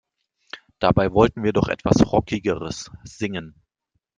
Dabei wollten wir doch etwas Rockigeres singen.